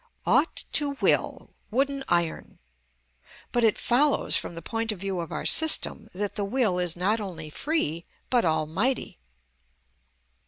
"Ought to will!"—wooden iron! But it follows from the point of view of our system that the will is not only free, but almighty.